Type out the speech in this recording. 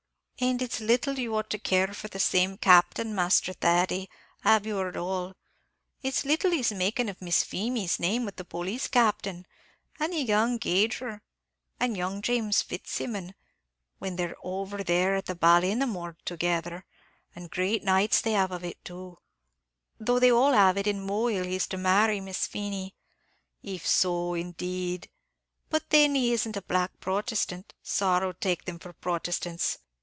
"And it's little you ought to care for the same Captain, Misthur Thady, av you heard all. It's little he's making of Miss Feemy's name with the police captain, and the young gauger, and young James Fitzsimon, when they're over there at Ballinamore together and great nights they have of it too; though they all have it in Mohill he's to marry Miss Feemy. If so, indeed! but then isn't he a black Protestant, sorrow take them for Protestants!